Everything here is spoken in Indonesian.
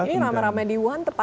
ini rame rame di wuhan